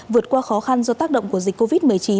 vượt qua khó khăn do tác động của dịch covid một mươi chín